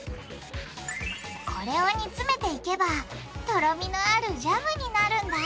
これを煮詰めていけばとろみのあるジャムになるんだ！